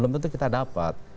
tentu kita dapat